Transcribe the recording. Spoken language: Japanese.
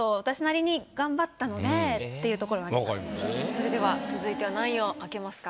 それでは続いては何位を開けますか？